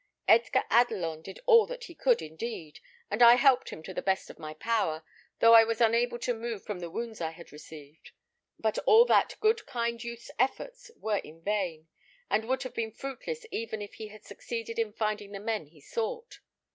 Edgar Adelon did all that he could, indeed; and I helped him to the best of my power, though I was unable to move from the wounds I had received. But all that good kind youth's efforts were in vain, and would have been fruitless even if he had succeeded in finding the men he sought.